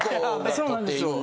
そうなんですよ。